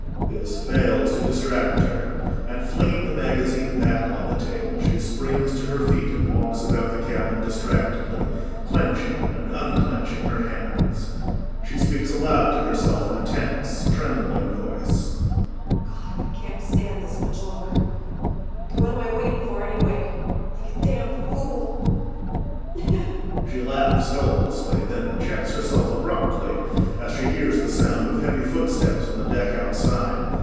This fails to distract her, and flinging the magazine back on the table, she springs to her feet and walks about the cabin distractedly, clenching and unclenching her hands. She speaks aloud to herself in a tense, trembling voice.] Gawd, I can't stand this much longer! What am I waiting for anyway? like a damn fool! [She laughs helplessly, then checks herself abruptly, as she hears the sound of heavy footsteps on the deck outside.